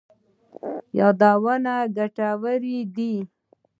یادونه ګټور دي.